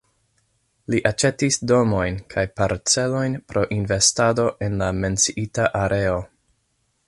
Li aĉetis domojn kaj parcelojn pro investado en la menciita areo.